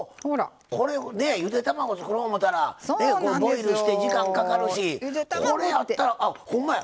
これねゆで卵作ろう思ったらボイルして時間かかるしこれやったらあほんまや！